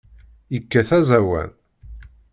Yekkat aẓawan.